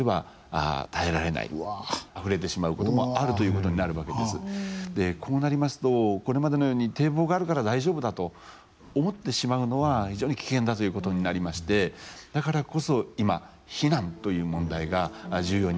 ここ最近のこの雨はですねこうなりますとこれまでのように堤防があるから大丈夫だと思ってしまうのは非常に危険だということになりましてだからこそ今避難という問題が重要になってきてるんですね。